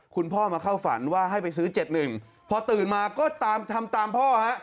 คุณพ่อมาเข้าฝันว่าให้ไปซื้อ๗๑พอตื่นมาก็ตามทำตามพ่อฮะ